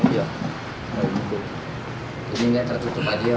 jadi dia tertutup aja orangnya